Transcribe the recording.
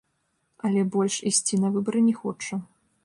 Але больш ісці на выбары не хоча.